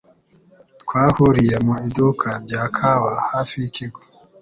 Twahuriye mu iduka rya kawa hafi yikigo.